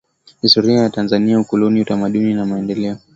Historia ya Tanzania Ukoloni Utamaduni na Maendeleo